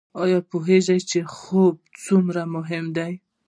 ایا پوهیږئ چې خوب څومره مهم دی؟